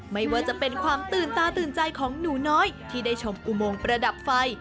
ไม่ว่าจะเป็นความตื่นตาตื่นใจของหนูน้อยที่ได้ชมอุโมงประดับไฟ